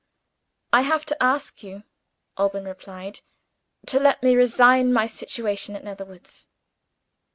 "I have to ask you," Alban replied, "to let me resign my situation at Netherwoods."